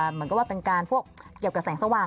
เหมือนกับว่าเป็นการพวกเกี่ยวกับแสงสว่าง